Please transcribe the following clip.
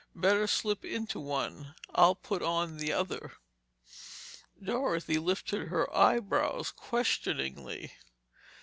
Better slip into one—I'll put on the other." Dorothy lifted her eyebrows questioningly.